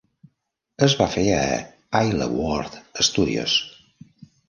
Es va fer a Isleworth Studios.